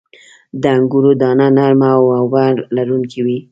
• د انګورو دانه نرمه او اوبه لرونکې وي.